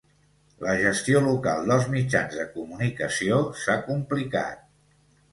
La gestió local dels mitjans de comunicació s'ha complicat.